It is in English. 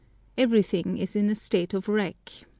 Everything is in a state of wreck.